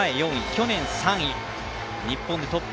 去年３位、日本でトップ。